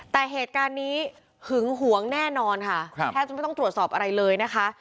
แต่เหตุการณ์นี้หึงหวงแน่นอนค่ะแทบจะไม่ต้องตรวจสอบอะไรเลยนะคะ